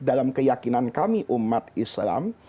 dalam keyakinan kami umat islam